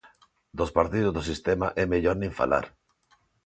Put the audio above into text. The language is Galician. Dos partidos do sistema é mellor nin falar.